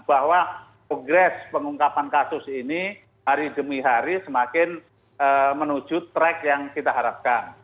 bahwa progres pengungkapan kasus ini hari demi hari semakin menuju track yang kita harapkan